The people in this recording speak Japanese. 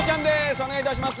お願いいたします。